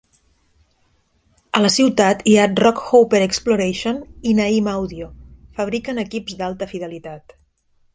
A la ciutat hi ha Rockhopper Exploration i Naim Audio fabriquen equips d'alta fidelitat.